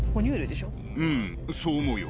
うんそう思うよ。